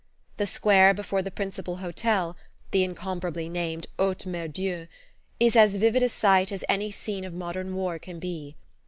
The square before the principal hotel the incomparably named "Haute Mere Dieu" is as vivid a sight as any scene of modern war can be.